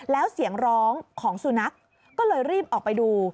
แล้วเสียงร้องของสุนัขก็เลยรีบออกไปดู